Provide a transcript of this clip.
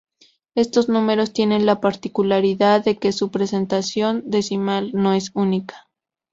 Estos números tienen la particularidad de que su representación decimal no es única.